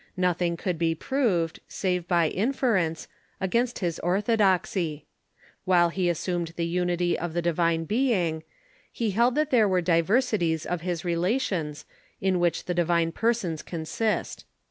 Nothing could be proved, save by inference, against his ortho {*Ab 'I'^d <^^oxy. While he assumed the unity of the Divine Be ing, he held that there were diversities of his relations, in which the Divine Persons consist.